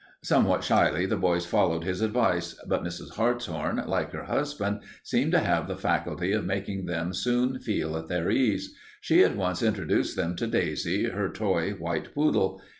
Somewhat shyly the boys followed his advice, but Mrs. Hartshorn, like her husband, seemed to have the faculty of making them soon feel at their ease. She at once introduced them to Daisy, her toy white poodle.